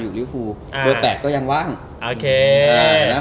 ผมอยากได้จริงเพราะว่าเสียง